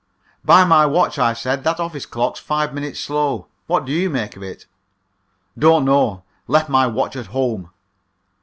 "By my watch," I said, "that office clock's five minutes slow. What do you make it?" "Don't know. Left my watch at home."